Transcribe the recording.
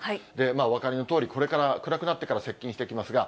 お分かりのとおり、これから暗くなってから接近してきますが、